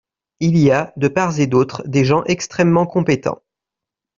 Il y a, de part et d’autre, des gens extrêmement compétents.